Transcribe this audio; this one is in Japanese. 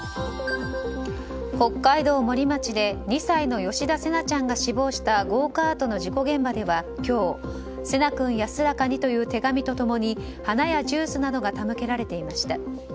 北海道森町で２歳の吉田成那ちゃんが死亡したゴーカートの事故現場では今日成那君、安らかにという手紙と共に手向けられていました。